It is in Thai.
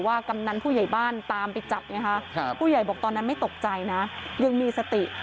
ผมกลับมาหอดพ่อดี